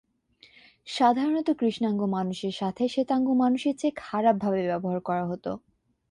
সাধারণত কৃষ্ণাঙ্গ মানুষের সাথে শ্বেতাঙ্গ মানুষের চেয়ে খারাপ ভাবে ব্যবহার করা হত।